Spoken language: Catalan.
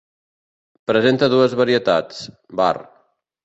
Presenta dues varietats: var.